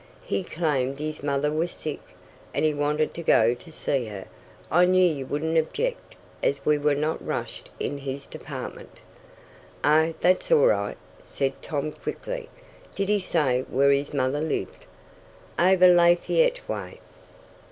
"He claimed his mother was sick, and he wanted to go to see her. I knew you wouldn't object, as we were not rushed in his department." "Oh, that's all right," said Tom quickly. "Did he say where his mother lived?" "Over Lafayette way."